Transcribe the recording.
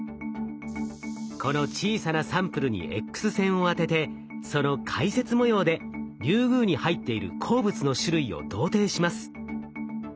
この小さなサンプルにＸ線を当ててその回折模様でリュウグウに入っている鉱物の種類を同定します。